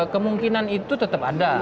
kemungkinan itu tetap ada